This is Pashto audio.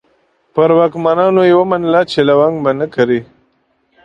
پر واکمنانو یې ومنله چې لونګ به نه کري.